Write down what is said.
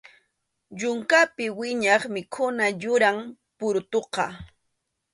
Yunkapi wiñaq mikhuna yuram purutuqa.